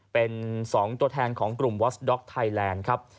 เป็น๒ตัวแทนของกลุ่มวอสด็อกไทยแลนด์ครับ